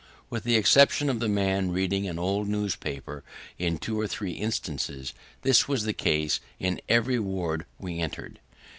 With the exception of a man reading an old newspaper, in two or three instances, this was the case in every ward we entered.